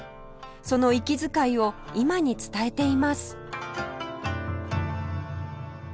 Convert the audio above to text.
その息遣いを今に伝えています